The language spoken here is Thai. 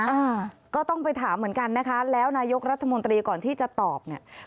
อ่าก็ต้องไปถามเหมือนกันนะคะแล้วนายกรัฐมนตรีก่อนที่จะตอบเนี่ย